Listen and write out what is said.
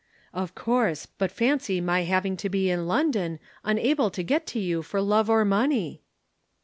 "'Of course. But fancy my having to be in London, unable to get to you for love or money!'